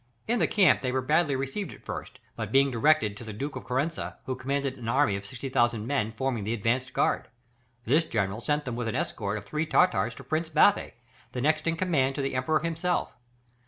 In the camp they were badly received at first, but being directed to the Duke of Corrensa, who commanded an army of 60,000 men forming the advanced guard: this general sent them with an escort of three Tartars to Prince Bathy, the next in command to the Emperor himself.